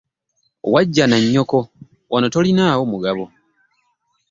Wajja na nnyoko wano tolinaawo mugabo.